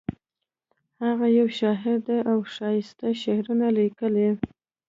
هغه یو شاعر ده او ښایسته شعرونه لیکي